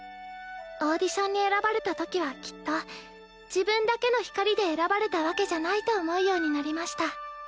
オーディションに選ばれたときはきっと自分だけの光で選ばれたわけじゃないと思うようになりました。